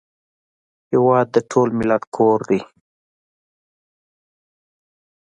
هېواد د ټول ملت کور دی